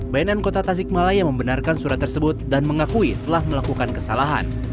bnn kota tasikmalaya membenarkan surat tersebut dan mengakui telah melakukan kesalahan